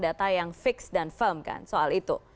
data yang fix dan firm kan soal itu